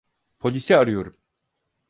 Polisi arıyorum.